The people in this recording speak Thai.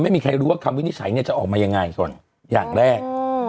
ไม่มีใครรู้ว่าคำวินิจฉัยเนี่ยจะออกมายังไงก่อนอย่างแรก